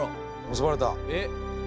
結ばれた。